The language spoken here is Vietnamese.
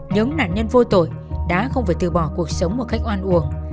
những nạn nhân vô tội đã không phải từ bỏ cuộc sống một cách oan uổng